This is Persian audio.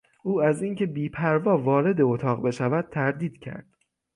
او از این که بیپروا وارد اتاق بشود تردید کرد.